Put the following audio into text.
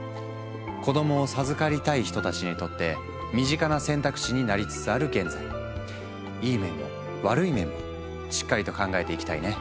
子どもを授かりたい人たちにとって身近な選択肢になりつつある現在いい面も悪い面もしっかりと考えていきたいね。